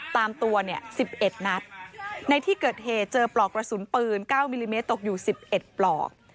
ตามตัวเนี่ยสิบเอ็ดนัดในที่เกิดเหตุเจอปลอกกระสุนปืนเก้ามิลลิเมตรตกอยู่สิบเอ็ดปลอก